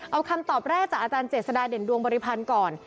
เอาคำตอบแรกจากอาจารย์เจษฎาเด่นดวงบริพันธ์ก่อน